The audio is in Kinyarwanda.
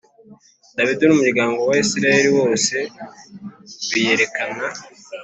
Dawidi n umuryango wa Isirayeli wose biyerekana